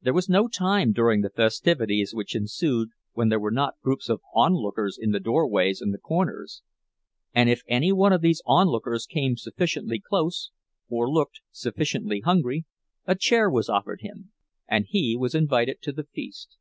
There was no time during the festivities which ensued when there were not groups of onlookers in the doorways and the corners; and if any one of these onlookers came sufficiently close, or looked sufficiently hungry, a chair was offered him, and he was invited to the feast.